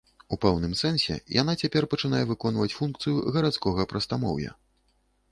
У пэўным сэнсе яна цяпер пачынае выконваць функцыю гарадскога прастамоўя.